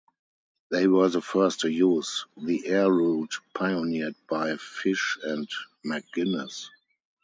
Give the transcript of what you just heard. They were the first to use the air route pioneered by Fysh and McGinness.